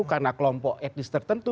karena kelompok etnis tertentu